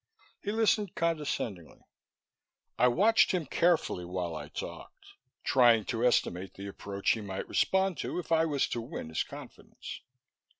He listened condescendingly. I watched him carefully while I talked, trying to estimate the approach he might respond to if I was to win his confidence.